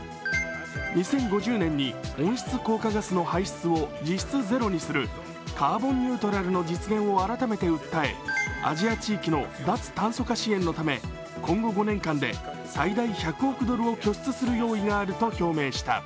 ２０５０年に温室効果ガスの排出を実質ゼロにするカーボンニュートラルの実現を改めて訴えアジア地域の脱炭素化支援のため、今後５年間で最大１００億ドルを拠出する用意があると表明した。